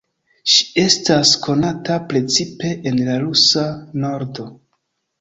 Ŝi estas konata precipe en la Rusa Nordo.